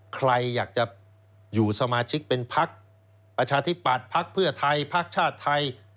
ใครอยากจะอยู่สมาชิกเป็นพักประชาธิปัตย์พักเพื่อไทยพักชาติไทย